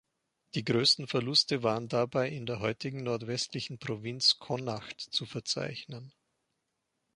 Die größten Verluste waren dabei in der heutigen nordwestlichen Provinz Connacht zu verzeichnen.